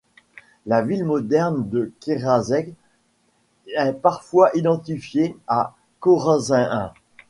La ville moderne de Kerazeh est parfois identifiée à Chorazeïn.